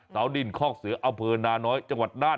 สาวดินคอกเสืออำเภอนาน้อยจังหวัดน่าน